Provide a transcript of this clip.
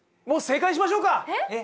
もう正解にしましょうか！